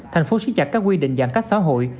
thành phố xích chặt các quy định giãn cách xã hội